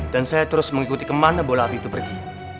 dan saya terus mengikuti kemana bola api itu pergi